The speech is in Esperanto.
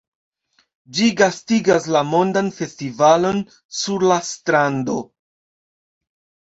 Ĝi gastigas la Mondan Festivalon sur la Strando.